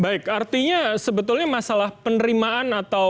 baik artinya sebetulnya masalah penerimaan atau